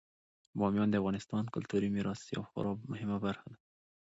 بامیان د افغانستان د کلتوري میراث یوه خورا مهمه برخه ده.